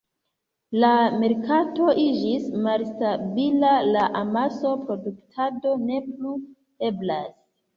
La merkato iĝis malstabila, la amasa produktado ne plu eblas.